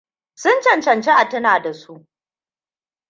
Sun cancanci a tuna da su.